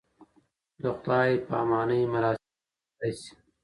د خدای پامانۍ مراسم پر ځای شي.